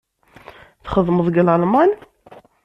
Txedmeḍ deg Lalman?